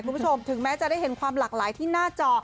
ถึงแม้จะได้เห็นความหลากหลายที่หน้าจอ